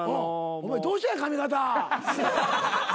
お前どうしたんや髪形。